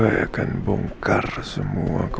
itu jadi burgadinya mumu gue